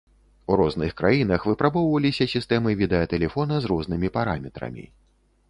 У розных краінах выпрабоўваліся сістэмы відэатэлефона з рознымі параметрамі.